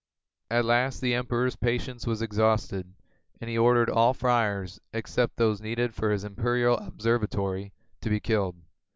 At last the emperor's patience was exhausted and he ordered all friars, except those needed for his imperial observatory, to be killed.